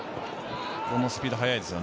スピード、速いですよね。